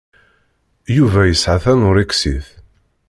Yuba yesɛa tanuṛiksit.